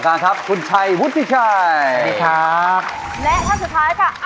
แล้วท่าสุดท้ายค่ะอายตาลีตา